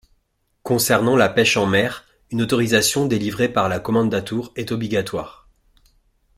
Concernant la pêche en mer, une autorisation délivrée par la Kommandantur est obligatoire.